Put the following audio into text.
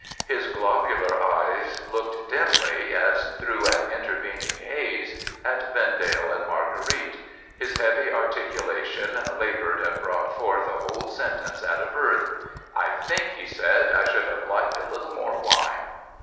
His globular eyes looked dimly, as through an intervening haze, at Vendale and Marguerite. His heavy articulation laboured, and brought forth a whole sentence at a birth. ' I think,' he said, ' I should have liked a little more wine.'